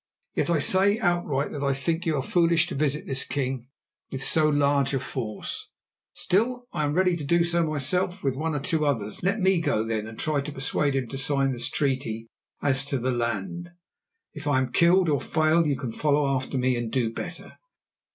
Yet I say outright that I think you are foolish to visit this king with so large a force. Still, I am ready to do so myself with one or two others. Let me go, then, and try to persuade him to sign this treaty as to the land. If I am killed or fail, you can follow after me and do better."